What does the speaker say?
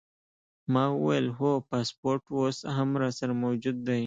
ما وویل: هو، پاسپورټ اوس هم راسره موجود دی.